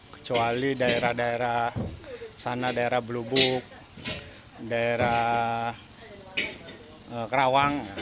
kecuali daerah daerah sana daerah blubuk daerah kerawang